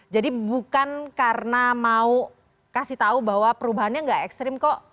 jadi bukan karena mau kasih tahu bahwa perubahannya nggak ekstrim kok